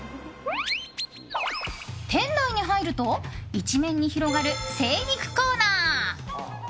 店内に入ると一面に広がる精肉コーナー。